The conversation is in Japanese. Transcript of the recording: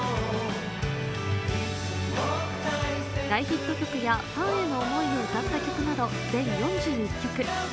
大ヒット曲やファンへの思いを歌った曲など、全４１曲。